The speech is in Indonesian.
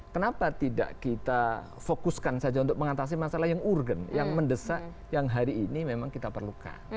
kenapa tidak kita fokuskan saja untuk mengatasi masalah yang urgen yang mendesak yang hari ini memang kita perlukan